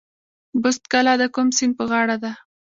بست کلا د کوم سیند په غاړه ده؟